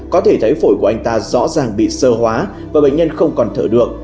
có thể thấy phổi của anh ta rõ ràng bị sơ hóa và bệnh nhân không còn thở được